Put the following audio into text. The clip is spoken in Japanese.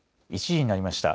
１時になりました。